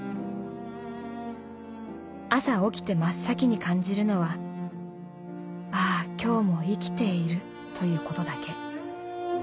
朝起きて真っ先に感じるのはああ今日も生きているということだけ。